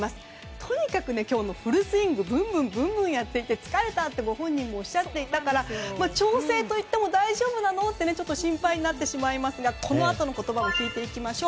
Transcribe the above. とにかく今日、フルスイングブンブンやっていて疲れたとご本人もおっしゃっていましたから調整といっても大丈夫なのと心配になってしまいますがこのあとの言葉を聞いていきましょう。